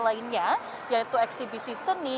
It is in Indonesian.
lainnya yaitu eksibisi seni